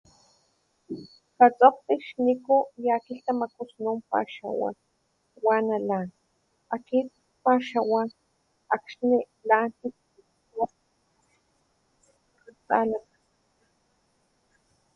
Katsokgtí xniku ya kilhtamaku snun paxawa, ¡wana lan! Akit paxawa akxní tlan kit je. talak....